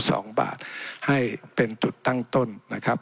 สองบาทให้เป็นจุดตั้งต้นนะครับ